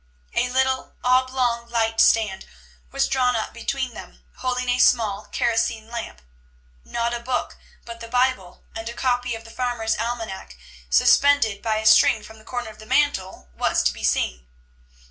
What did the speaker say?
A little oblong light stand was drawn up between them, holding a small kerosene lamp. Not a book but the Bible, and a copy of the Farmer's Almanac suspended by a string from the corner of the mantel, was to be seen.